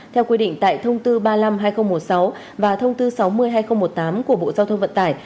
theo quy định tại thông tư ba mươi năm hai nghìn một mươi sáu và thông tư sáu mươi hai nghìn một mươi tám của bộ giao thông vận tải